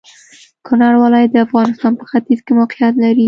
کونړ ولايت د افغانستان په ختيځ کې موقيعت لري.